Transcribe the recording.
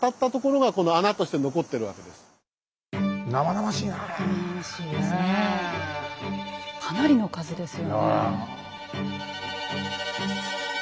かなりの数ですよね。